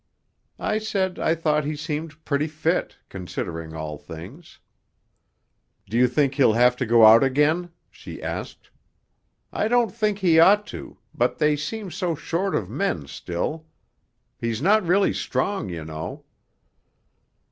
I said I thought he seemed pretty fit, considering all things. 'Do you think he'll have to go out again?' she asked. 'I don't think he ought to but they seem so short of men still. He's not really strong, you know.'